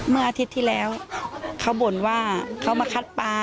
อาทิตย์ที่แล้วเขาบ่นว่าเขามาคัดปลา